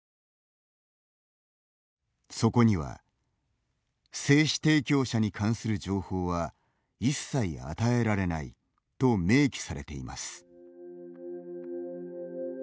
そこには、精子提供者に関する情報は一切与えられないと明記されています。